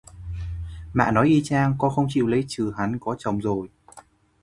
Mạ nói y chang, con không chịu lấy chừ hắn có chồng rồi